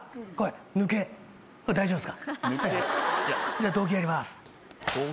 じゃあ同期やります。